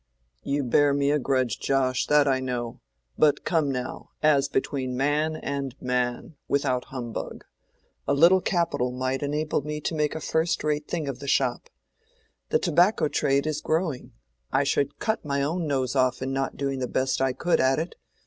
"You bear me a grudge, Josh, that I know. But come, now—as between man and man—without humbug—a little capital might enable me to make a first rate thing of the shop. The tobacco trade is growing. I should cut my own nose off in not doing the best I could at it.